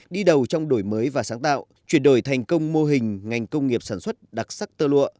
đi đầu trong đổi mới và sáng tạo chuyển đổi thành công mô hình ngành công nghiệp sản xuất đặc sắc tơ lụa